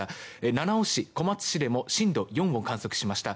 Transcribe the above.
七尾市、小松市でも震度４を観測しました。